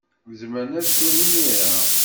Zemren ad ddun imir-a.